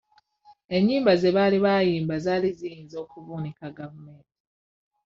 Ennyimba ze baali bayimba zaali ziyinza okuvuunika gavumenti.